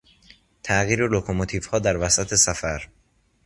تغییر لوکوموتیوها در وسط سفر